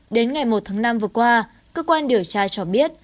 đến ngày một tháng năm vừa qua cơ quan điều tra cho biết